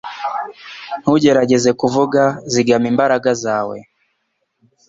Ntugerageze kuvuga Zigama imbaraga zawe